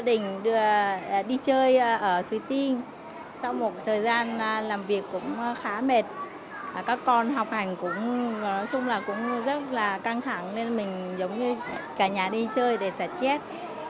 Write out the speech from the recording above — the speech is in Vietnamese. mình đi chơi ở suy tin sau một thời gian làm việc cũng khá mệt các con học hành cũng rất là căng thẳng nên mình giống như cả nhà đi chơi để sạch chết